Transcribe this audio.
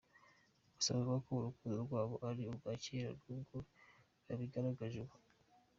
Gusa bavuga ko urukundo rwabo ari urwa kera, n’ubwo babigaragaje ubu.